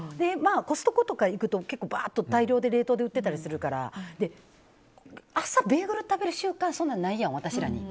コストコとかに行くと結構バーッと大量で冷凍で売っていたりするから朝、ベーグル食べる習慣そんなないやん、私らに。